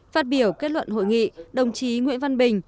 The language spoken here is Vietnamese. phát biểu kết luận hội nghị đồng chí nguyễn văn bình